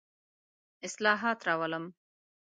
اصلاحات راولم.